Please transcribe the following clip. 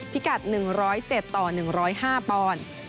พิกัด๑๐๗ต่อ๑๐๕ปอนด์